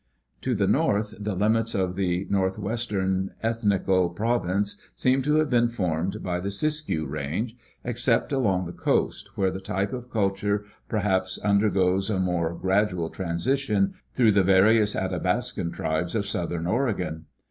To the north the limits of the northwestern ethnical province seem to have been formed by the Siskiyou range, except along the coast, where the type of culture perhaps undergoes a more gradual transition through the various Athabascan tribes of southern Oregon.